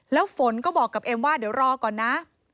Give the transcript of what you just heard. แล้วฝนก็บอกกับเอ็มว่าเดี๋ยวรอก่อนนะ